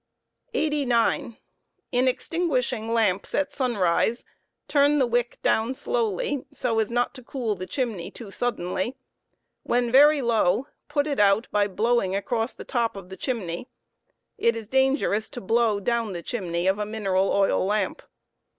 89 In extinguishing lights at sunrise, turn the wick down slowly, so as not to cool th ^ t ^ u,flh3D * chimney too suddenly; when very low put it out by blowing across the top of tjhe^ ney; it is dangerous to blow down the chimney of a mineral oil lamp.